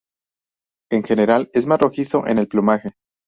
En general es más rojizo en el plumaje.